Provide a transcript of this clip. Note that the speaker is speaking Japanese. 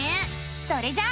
それじゃあ。